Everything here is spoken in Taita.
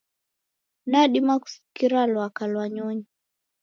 Nadima kusikira lwaka lwa nyonyi